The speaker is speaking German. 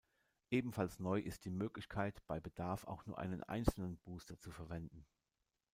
Ebenfalls neu ist die Möglichkeit, bei Bedarf auch nur einen einzelnen Booster zu verwenden.